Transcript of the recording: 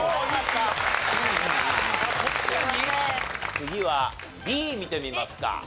次はＢ見てみますか。